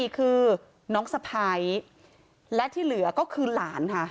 คือน้องสะพ้ายและที่เหลือก็คือหลานค่ะ